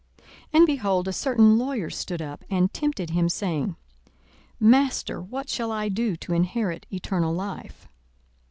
42:010:025 And, behold, a certain lawyer stood up, and tempted him, saying, Master, what shall I do to inherit eternal life?